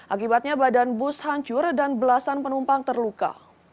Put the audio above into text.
akibatnya badan bus hancur dan belasan penumpang terluka